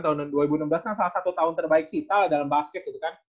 tahun dua ribu enam belas kan salah satu tahun terbaik sita dalam basket gitu kan